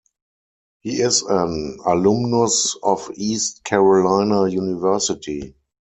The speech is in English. He is an alumnus of East Carolina University.